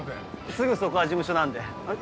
すぐそこが事務所なんであれ？